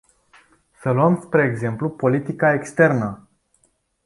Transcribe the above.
Să luăm spre exemplu politica externă.